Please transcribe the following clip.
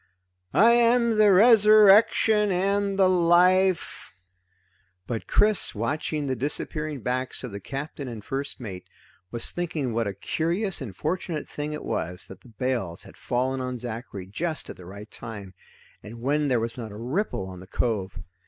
"I am the Resurrection and the Life " But Chris, watching the disappearing backs of the Captain and first mate, was thinking what a curious and fortunate thing it was that the bales had fallen on Zachary just at the right time, and when there was not a ripple on the cove.